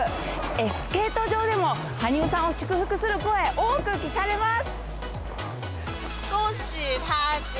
スケート場でも羽生さんを祝福する声、多く聞かれます。